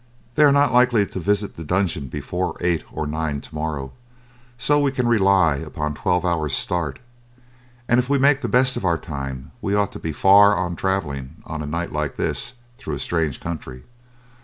They are not likely to visit the dungeon before eight or nine tomorrow, so we can rely upon twelve hours' start, and if we make the best of our time we ought to be far on travelling on a night like this through a strange country.